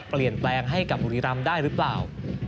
เปลี่ยนแปลงให้กับบุรีรำได้หรือเปล่า